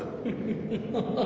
フハハハ！